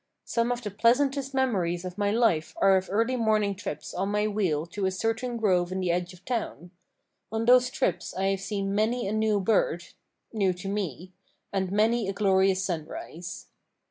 Some of the pleasantest memories of my life are of early morning trips on my wheel to a certain grove in the edge of town. On those trips I have seen many a new bird—new to me—and many a glorious sunrise.